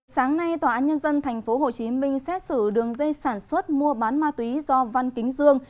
sáng nay tòa án nhân dân tp hcm xét xử đường dây sản xuất mua bán ma túy do văn kính dương